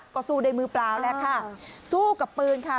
ก็สู้ด้วยมือเปล่าแล้วค่ะสู้กับปืนค่ะ